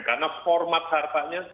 karena format hartanya